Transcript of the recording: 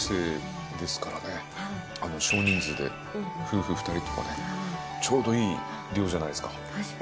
少人数で夫婦２人とかでちょうどいい量じゃないですか。